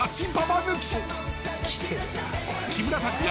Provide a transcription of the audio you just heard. ［木村拓哉